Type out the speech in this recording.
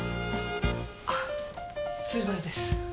あ鶴丸です。